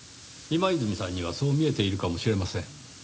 今泉さんにはそう見えているかもしれません。